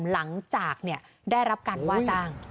หลังจากได้รับการว่าจ้าง